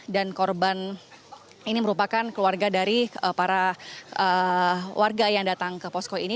dan korban ini merupakan keluarga dari para warga yang datang ke posko ini